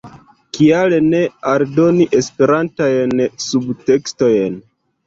"Kial ne aldoni Esperantajn subtekstojn"?